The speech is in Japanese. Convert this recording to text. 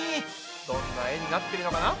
どんな絵になってるのかな？